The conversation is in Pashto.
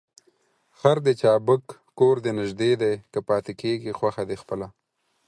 خر دي چابک کور دي نژدې دى ، که پاته کېږې خوښه دي خپله.